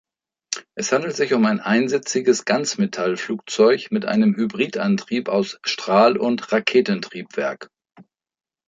Es handelt sich um ein einsitziges Ganzmetall-Flugzeug mit einem Hybridantrieb aus Strahl- und Raketentriebwerk.